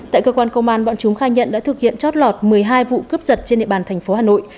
tại cơ quan công an bọn chúng khai nhận đã thực hiện trót lọt một mươi hai vụ cướp giật trên địa bàn tp hà nội